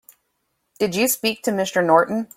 Did you speak to Mr. Norton?